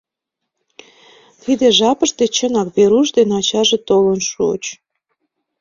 Тиде жапыште, чынак, Веруш ден ачаже толын шуыч.